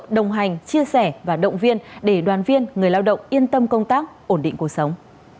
đồng hành chia sẻ và động viên để đoàn viên người lao động yên tâm công tác ổn định cuộc sống